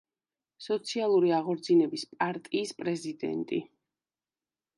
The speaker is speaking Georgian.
სოციალური აღორძინების პარტიის პრეზიდენტი.